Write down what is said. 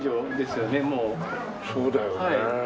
そうだよね。